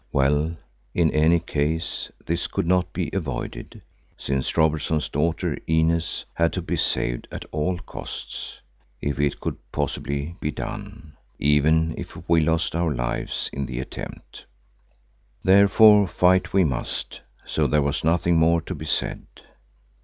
Well, in any case this could not be avoided, since Robertson's daughter, Inez, had to be saved at all costs, if it could possibly be done, even if we lost our lives in the attempt. Therefore fight we must, so there was nothing more to be said.